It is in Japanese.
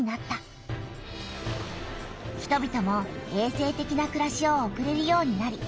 人びともえい生てきなくらしを送れるようになり